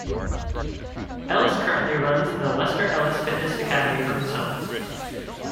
Ellis currently runs the Lester Ellis Fitness Academy from his home.